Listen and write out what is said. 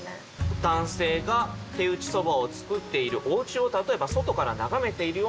男性が手打そばをつくっているおうちを例えば外から眺めているような光景。